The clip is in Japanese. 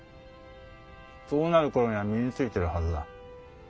そうなる頃には身についてるはずだ。